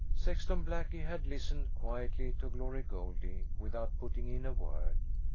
Sexton Blackie had listened quietly to Glory Goldie, without putting in a word.